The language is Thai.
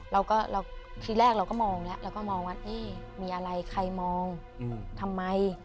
ทีแรกเราก็มองแล้วเราก็มองว่าเอ๊ะมีอะไรใครมองทำไม